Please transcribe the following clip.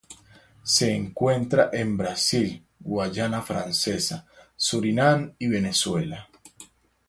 Se encuentra en Brasil Guayana Francesa, Surinam y Venezuela.